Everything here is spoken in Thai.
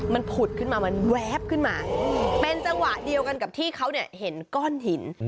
มันผุดขึ้นมามันแวบขึ้นมาเป็นจังหวะเดียวกันกับที่เขาเห็นก้อนหิน